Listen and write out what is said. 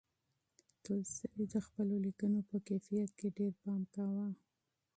تولستوی د خپلو لیکنو په کیفیت کې ډېر پام کاوه.